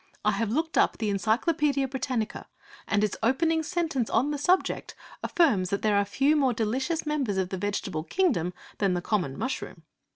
I have looked up the Encyclopaedia Britannica, and its opening sentence on the subject affirms that 'there are few more delicious members of the vegetable kingdom than the common mushroom.'